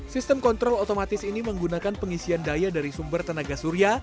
sistem kontrol otomatis ini menggunakan pengisian daya dari sumber tenaga surya